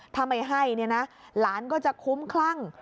ถ้าไม่ให้เนี่ยนะหลานก็จะคุ้มคลั่ง